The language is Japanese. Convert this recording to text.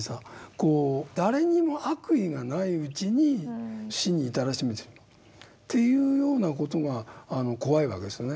こう誰にも悪意がないうちに死に至らしめてるという事が怖いわけですよね。